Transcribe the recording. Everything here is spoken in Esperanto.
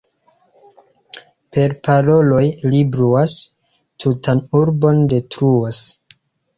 Per paroloj li bruas, tutan urbon detruas.